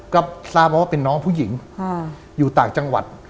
ก็ทราบมาว่าเป็นน้องผู้หญิงอยู่ต่างจังหวัด